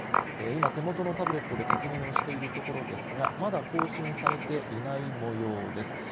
今、手元のタブレットで確認をしているところですが、まだ更新されていないもようです。